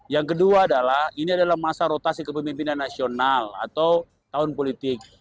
yang kedua adalah ini adalah masa rotasi kepemimpinan nasional atau tahun politik